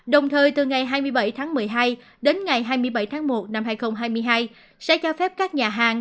đồng thời từ ngày hai mươi bảy tháng một mươi hai đến ngày hai mươi bảy tháng một năm hai nghìn hai mươi hai sẽ cho phép các nhà hàng